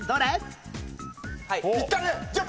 行ったね。